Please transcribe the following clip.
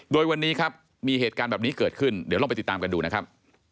โดยวันนี้ครับมีเหตุการณ์แบบนี้เกิดขึ้นเดี๋ยวลองไปติดตามกันดูนะครับ